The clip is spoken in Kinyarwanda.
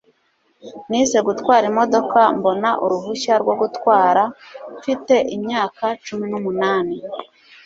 Nize gutwara imodoka mbona uruhushya rwo gutwara mfite imyaka cumi numunani